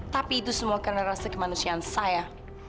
tapi itu semua karena rasa kemanusiaan saya